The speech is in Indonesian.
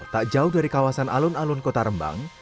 tak jauh dari kawasan alun alun kota rembang